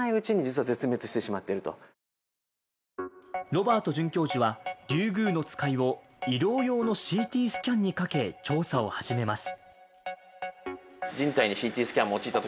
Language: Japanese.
ロバート准教授はリュウグウノツカイを医療用のＣＴスキャンにかけ調査を始めます。